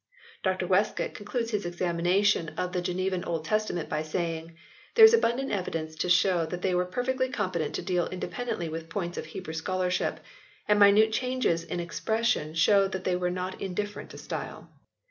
Dr Westcott concludes his examination of the Genevan Old Testament by saying " there is abundant evidence to shew that they were perfectly competent to deal independently with points of Hebrew scholarship ; and minute changes in expres sion shew that they were not indifferent to style."